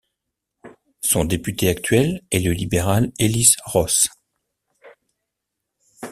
Son député actuel est le libéral Ellis Ross.